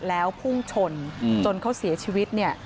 แล้วพุ่งชนจนเขาเสียชีวิตเนี่ย